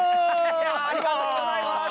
ありがとうございます！